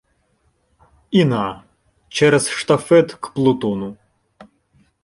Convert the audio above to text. І на! через штафет к Плутону